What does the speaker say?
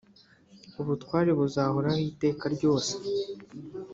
ubutware buzahoraho iteka ryose